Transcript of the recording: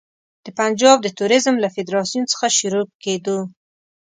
د پنجاب د توریزم له فدراسیون څخه شروع کېدو.